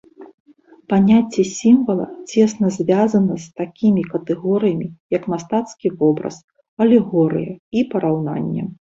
Паняцце сімвала цесна звязана з такімі катэгорыямі як мастацкі вобраз, алегорыя і параўнанне.